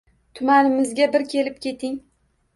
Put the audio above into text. Tumanimizga bir kelib keting